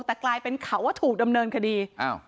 แต่กลายเป็นเขาว่าถูกดำเนินคดี